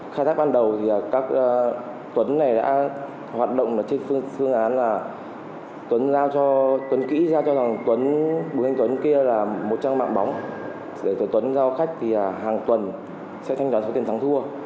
nói về trận đấu thì các tuấn đã hoạt động trước phương án là tuấn kỹ cho heavenly tuấn kia là một trang mạng bóng để có tuấn giao khách thì hàng tuần sẽ ngắn đánh bạc với tên sáng tua